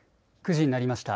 ９時になりました。